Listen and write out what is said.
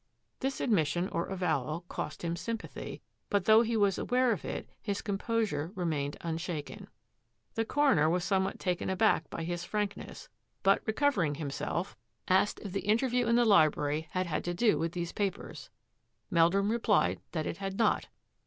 This admission, or avowal, cost him sympathy, but though he was aware of it, his composure re mained unshaken. The coroner was somewhat taken aback by his frankness, but recovering himself, asked if the UNDER FIRE 195 interview in the library had had to do with these papers. Meldrum replied that it had not.